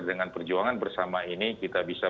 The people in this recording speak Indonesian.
dengan perjuangan bersama ini kita bisa